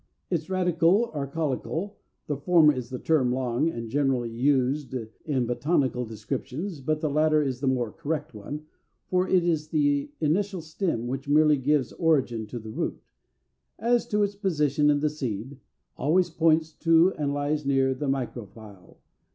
389. =Its Radicle or Caulicle= (the former is the term long and generally used in botanical descriptions, but the latter is the more correct one, for it is the initial stem, which merely gives origin to the root), as to its position in the seed, always points to and lies near the micropyle.